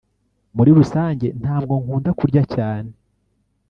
Muri rusange ntabwo nkunda kurya cyane